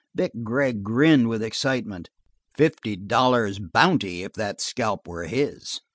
Vic Gregg grinned with excitement; fifty dollars' bounty if that scalp were his!